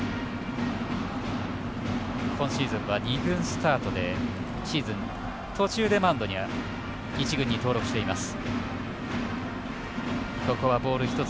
今シーズンは二軍スタートでシーズン途中でマウンドに上がって一軍に登録しています。